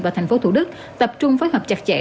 và tp hcm tập trung phối hợp chặt chẽ